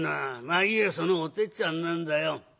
まあいいやそのおてっちゃんなんだよ。